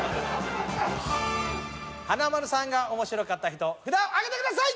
華丸さんが面白かった人札を上げてください！